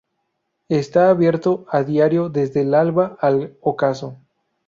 Está abierto a diario desde el alba al ocaso.